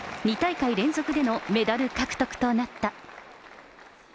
２大会連続でのメダル獲得となった。